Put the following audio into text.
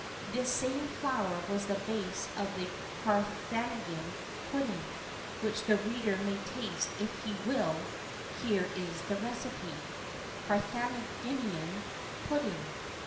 [V 26] This same flour was the base of the Carthaginian pudding; which the reader may taste if he will, here is the recipe: CARTHAGINIAN PUDDING.